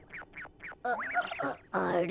ああれ？